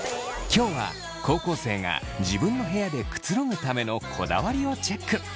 今日は高校生が自分の部屋でくつろぐためのこだわりをチェック。